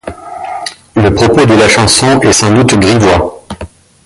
Le propos de la chanson est sans doute grivois.